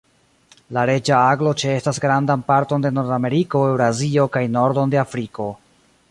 La Reĝa aglo ĉeestas grandan parton de Nordameriko, Eŭrazio kaj nordon de Afriko.